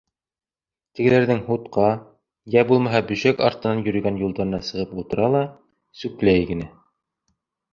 Тегеләрҙең һутҡа йә булмаһа бөжәк артынан йөрөгән юлдарына сығып ултыра ла сүпләй генә.